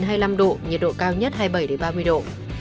nhiệt độ cao nhất hai mươi bảy ba mươi độ